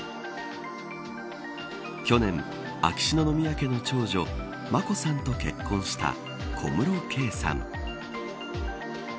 去年、秋篠宮家の長女眞子さんと結婚した小室圭さん。